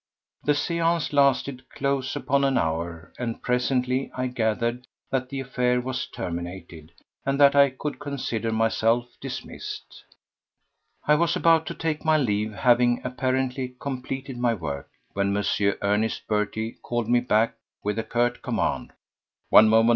The séance lasted close upon an hour, and presently I gathered that the affair was terminated and that I could consider myself dismissed. I was about to take my leave, having apparently completed my work, when M. Ernest Berty called me back with a curt command. "One moment, M.